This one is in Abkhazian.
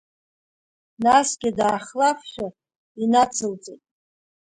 Насгьы даахлафшәа инацылҵеит.